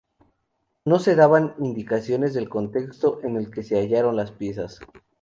No se daban indicaciones del contexto en el que se hallaron las piezas.